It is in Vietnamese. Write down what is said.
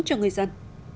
cho người dân